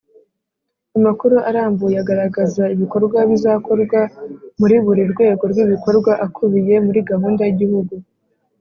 Amakuru arambuye agaragaza ibikorwa bizakorwa muri buri rwego rw ibikorwa akubiye muri gahunda y igihugu